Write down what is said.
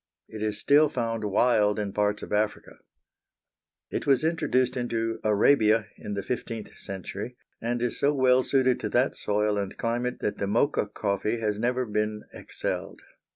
It is still found wild in parts of Africa. It was introduced into Arabia in the fifteenth century, and is so well suited to that soil and climate that the Mocha coffee has never been excelled.